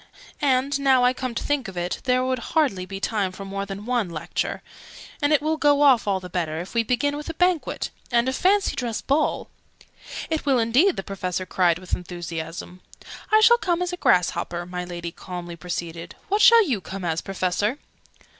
"And, now I come to think of it, there would hardly be time for more than one Lecture. And it will go off all the better, if we begin with a Banquet, and a Fancy dress Ball " "It will indeed!" the Professor cried, with enthusiasm. "I shall come as a Grass hopper," my Lady calmly proceeded. "What shall you come as, Professor?"